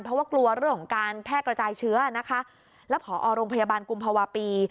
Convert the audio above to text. เพราะว่ากลัวเรื่องของการแพร่กระจายเชื้อนะคะแล้วผอโรงพยาบาลกุมภาวะปี